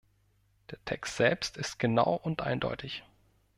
Der Text selbst ist genau und eindeutig.